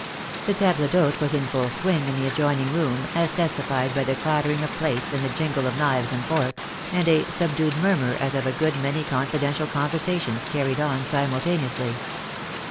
The table d'hote was in full swing in the adjoining room, as testified by the clattering of plates and the jingle of knives and forks, and a subdued murmur as of a good many confidential conversations carried on simultaneously.